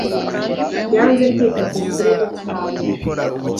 yanze kwita ku kirego cyabo.